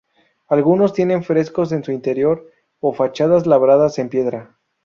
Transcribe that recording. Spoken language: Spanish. Algunos tienen frescos en su interior o fachadas labradas en piedra.